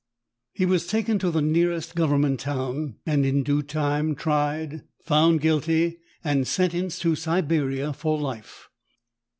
He was taken to the nearest government town, and in due time tried, found guilty, and sentenced to Siberia for life.